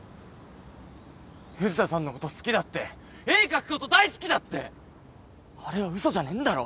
藤田さんのこと好きだって絵描くこと大好きだってあれは嘘じゃねえんだろ？